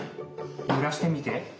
ゆらしてみて。